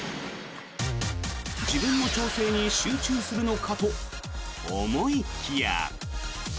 自分の調整に集中するのかと思いきや。